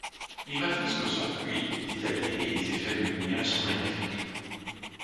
Les graphismes sont fluides, détaillés et les effets de lumières sont magnifiques.